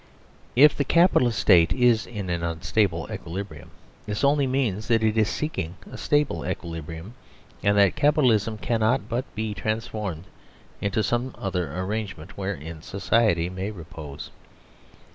If the Capitalist State is in unstable equilibrium, this only means that it is seeking a stable equilibrium, and that Capitalism cannot but be transformed into some other arrangementwherein Society may repose.